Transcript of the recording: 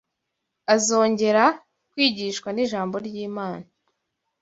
azongera kwigishwa n’ ijambo ryImana: